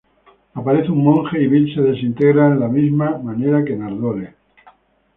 Aparece un Monje y Bill se desintegra de la misma manera que Nardole.